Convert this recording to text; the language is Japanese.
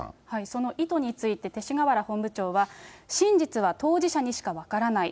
その意図について、勅使河原本部長は、真実は当事者にしか分からない。